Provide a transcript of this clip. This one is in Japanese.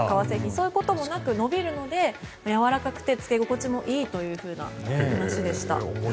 そういうこともなく伸びるのでやわらかくて付け心地もいいというお話でした。